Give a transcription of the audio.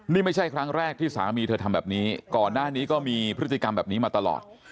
นี่ไม่ใช่ครั้งแรกที่สามีเธอทำแบบนี้ก่อนหน้านี้ก็มีพฤติกรรมแบบนี้มาตลอด